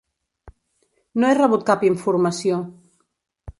No he rebut cap informació.